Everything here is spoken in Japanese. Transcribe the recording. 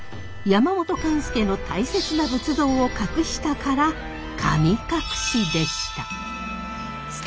山本勘助の大切な仏像を隠したから神隠でした。